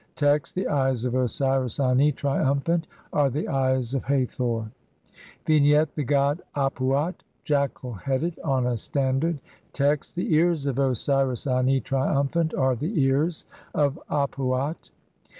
Text : (3) The eyes of Osiris Ani, triumphant, are the eyes of Hathor. Vignette : The god Ap uat, jackal headed, on a standard. Text : (4) The ears of Osiris Ani, triumphant, are the ears of Ap uat.